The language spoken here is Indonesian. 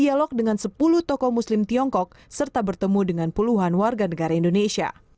dialog dengan sepuluh tokoh muslim tiongkok serta bertemu dengan puluhan warga negara indonesia